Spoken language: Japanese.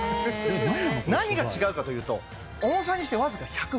何が違うかというと重さにしてわずか。